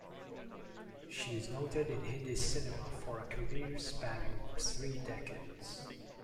She is noted in Hindi cinema for a career spanning over three decades.